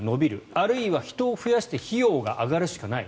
あるいは人を増やして費用が上がるしかない。